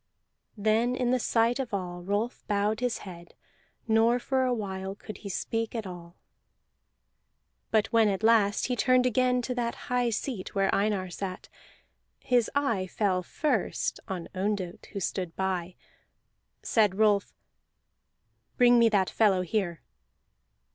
Then in the sight of all Rolf bowed his head, nor for a while could he speak at all. But when at last he turned again toward that high seat where Einar sat, his eye fell first on Ondott who stood by. Said Rolf: "Bring me that fellow here!"